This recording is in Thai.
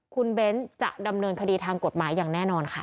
คุณเบ้นจะดำเนินคดีทางกฎหมายอย่างแน่นอนค่ะ